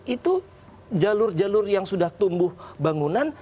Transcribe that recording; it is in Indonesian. itu jalur jalur yang sudah tumbuh bangunan